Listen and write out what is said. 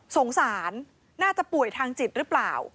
สงสารน่าจะป่วยทางจิตหรือเปล่า